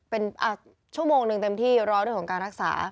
เป็นชั่วโมงหนึ่งเต็มที่รอเรื่องของการรักษา